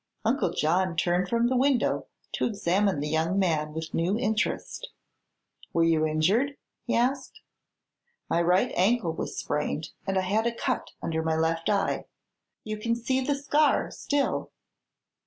Uncle John turned from the window to examine the young man with new interest. "Were you injured?" he asked. "My right ankle was sprained and I had a cut under my left eye you can see the scar still."